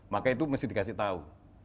maka itu mesti dikasih tahu